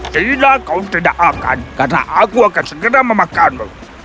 tidak kau tidak akan karena aku akan segera memakanmu